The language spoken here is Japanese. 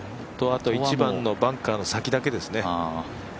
あとは１番のバンカーの先だけですね。